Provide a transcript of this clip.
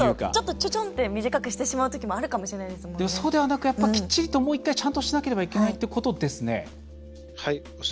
ちょちょんって短くしてしまうときもそうではなく、きっちりともう１回、ちゃんとしなければいけないということですね。